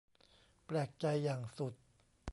แปลกใจอย่างสุด